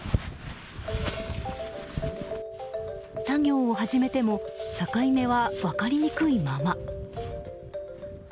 作業を始めても境目は分かりにくいまま。